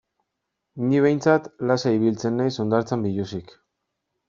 Ni behintzat lasai ibiltzen naiz hondartzan biluzik.